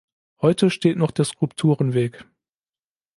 Heute steht noch der Skulpturenweg.